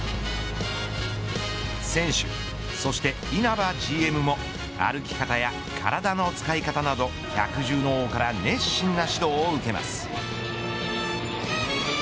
選手、そして稲葉ＧＭも歩き方や体の使い方など百獣の王から熱心な指導を受けます。